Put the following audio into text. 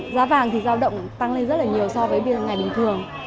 giá vàng thì giao động tăng lên rất là nhiều so với ngày bình thường